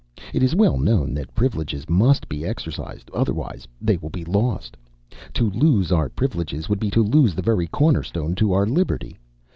It is well known that privileges must be exercised, otherwise they will be lost. To lose our privileges would be to lose the very cornerstone of our liberty.